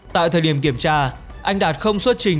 tại thời điểm kiểm tra anh đạt không xuất trình